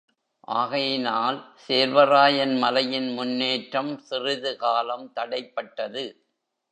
ஆகையினால் சேர்வராயன் மலையின் முன்னேற்றம் சிறிது காலம் தடைப்பட்டது.